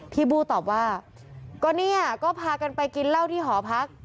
บู้ตอบว่าก็เนี่ยก็พากันไปกินเหล้าที่หอพัก